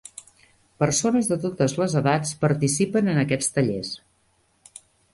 Persones de totes les edats participen en aquests tallers.